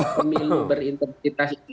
pemilu berintegritas itu